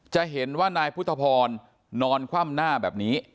จะเห็นว่านายพุทธพรนอนคว่ำหน้าแบบนี้